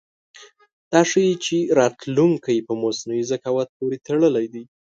دا ښيي چې راتلونکی په مصنوعي ذکاوت پورې تړلی دی.